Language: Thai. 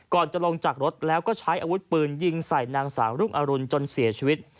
จะลงจากรถแล้วก็ใช้อาวุธปืนยิงใส่นางสาวรุ่งอรุณจนเสียชีวิต